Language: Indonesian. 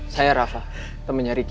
saya rafa temannya ricky